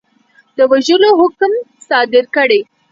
د وژلو حکم صادر کړي.